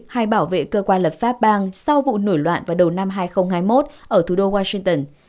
hay bảo vệ cơ quan lập pháp bang sau vụ nổ loạn vào đầu năm hai nghìn hai mươi một ở thủ đô washington